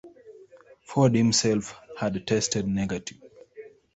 Ford himself had tested negative.